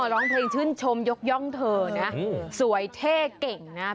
ร้องเพลงชื่นชมยกย่องเธอนะสวยเท่เก่งนะครับ